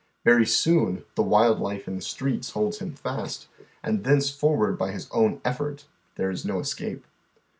Very soon the wild life in the streets holds him fast, and thenceforward by his own effort there is no escape.